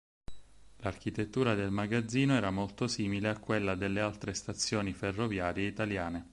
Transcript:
L'architettura del magazzino era molto simile a quella delle altre stazioni ferroviarie italiane.